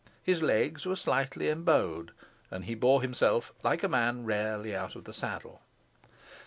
His legs were slightly embowed, and he bore himself like a man rarely out of the saddle.